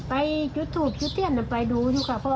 ไปจุดถูกจุดเตี้ยนไปดูอยู่กับพ่อ